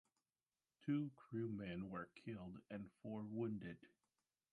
Two crewmen were killed and four wounded.